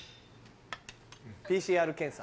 ＰＣＲ検査。